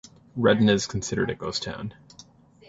Redden is considered a ghost town.